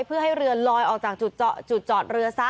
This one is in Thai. เพื่อให้เรือลอยออกจากจุดจอดเรือซะ